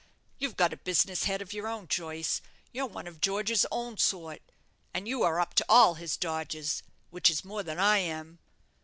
You've got a business head of your own, Joyce; you're one of George's own sort; and you are up to all his dodges, which is more than I am.